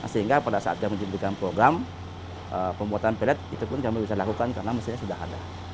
sehingga pada saat dia menunjukkan program pembuatan pelet itu pun kami bisa lakukan karena mesinnya sudah ada